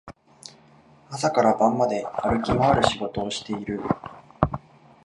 朝から晩まで歩き回る仕事をしている